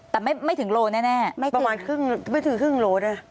แต่ไม่ถึงโลแน่ประมาณครึ่งไม่ถึงครึ่งโลได้